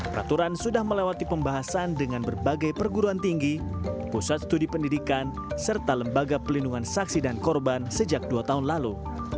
peraturan sudah melewati pembahasan dengan berbagai perguruan tinggi pusat studi pendidikan serta lembaga pelindungan saksi dan korban sejak dua tahun lalu